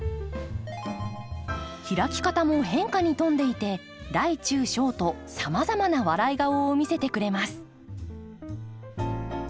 開き方も変化に富んでいて大中小とさまざまな笑い顔を見せてくれます。